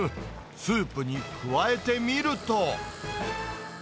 スープに加えてみると。